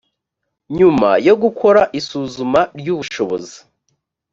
nyuma yo gukora isuzuma ry ubushobozi